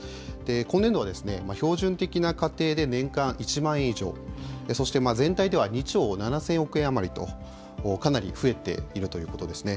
今年度は標準的な家庭で年間１万円以上、そして全体では２兆７０００億円余りと、かなり増えているということですね。